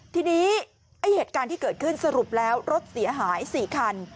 ทีนี้ไอ้เหตุการณ์ที่เกิดขึ้นสรุปแล้วรถเสียหาย๔คัน